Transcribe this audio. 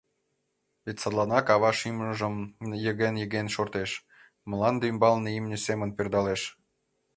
Вет садланак ава шӱмжым йыген-йыген шортеш, мланде ӱмбалне имне семын пӧрдалеш.